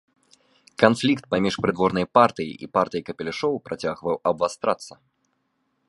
Канфлікт паміж прыдворнай партыяй і партыяй капелюшоў працягваў абвастрацца.